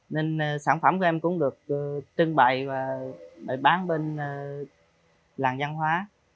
nên sản phẩm của em cũng được trưng bày và bán bên làng văn hóa